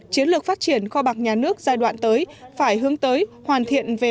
chiến lược phát triển kho bạc nhà nước giai đoạn tới phải hướng tới hoàn thiện về